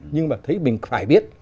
nhưng mà thấy mình phải viết